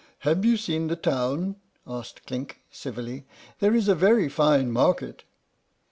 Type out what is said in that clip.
"Have you seen the town?" asked Clink, civilly; "there is a very fine market."